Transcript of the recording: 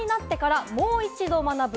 大人になってからもう一度学ぶ。